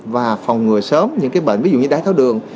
và phòng ngừa sớm những cái bệnh ví dụ như đáy tháo đường